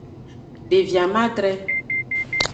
Devi amadre.